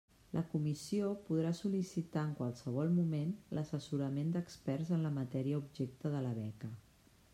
La comissió podrà sol·licitar, en qualsevol moment, l'assessorament d'experts en la matèria objecte de la beca.